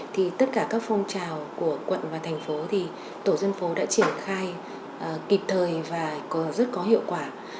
thì tất cả các phong trào của quận và thành phố thì tổ dân phố đã triển khai kịp thời và rất có hiệu quả